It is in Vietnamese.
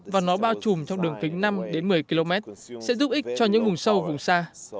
và nó bao trùm trong đường kính năm đến một mươi km sẽ giúp ích cho những vùng sâu vùng xa